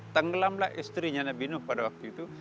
tenggelamlah istrinya nabi nuh pada waktu itu